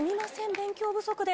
勉強不足で。